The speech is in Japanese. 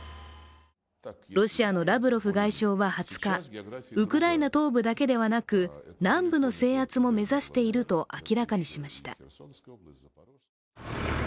ロシアのラブロフ外相は２０日、ウクライナ東部だけではなく南部の制圧も目指していると明らかにしました。